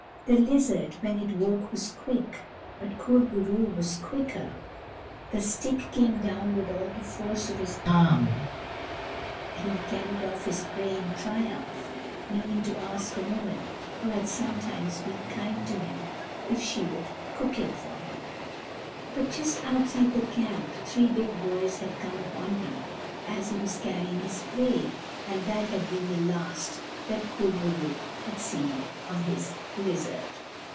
The lizard, when it woke, was quick, but Kur bo roo was quicker — the KUR BO ROO, THE BEAR 217 stick came down with all the force of his arm, and he carried off his prey in triumph, meaning to ask a woman who had sometimes been kind to him if she would cook it for him. But just outside the camp three big boys had come upon him as he was carrying his prey, and that had been the last that Kur bo roo had seen of his lizard.